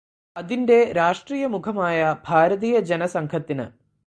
അതിന്റെ രാഷ്ട്രീയമുഖമായ ഭാരതീയ ജനസംഘത്തിന്